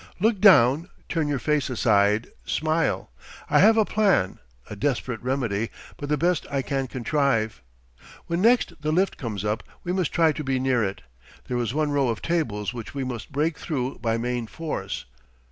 "Look down, turn your face aside, smile.... I have a plan, a desperate remedy, but the best I can contrive. When next the lift comes up, we must try to be near it. There is one row of tables which we must break through by main force.